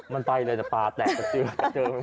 มันไปเลยนะปลาแตกเจอแตกเจอไปหมดแล้ว